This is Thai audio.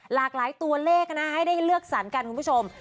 หลากหลายตัวเลขนะให้ได้เลือกสรรกันคุณผู้ชม